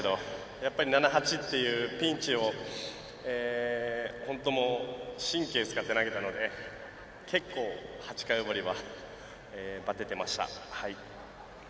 やっぱり７、８っていうピンチを神経使って投げたので、結構８回終わりはばててました。